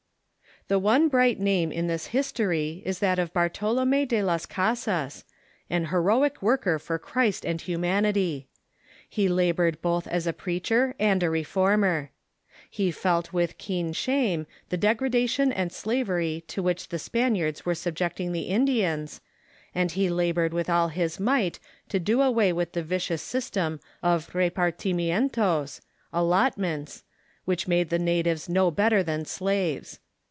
The one bright name in this history is that of Bartolome de Las Casas, an heroic worker for Christ and humanity. He la bored both as a preacher and a reformer. He felt of th\ indLs*" ^'^^^^ keen shame the degradation and slavery to which the Spaniards were subjecting the Indians, and he laboi'ed Avith all his might to do away Avith the vicious system of rejKirthnientos (allotments), Avhich made the natives no better than slaves.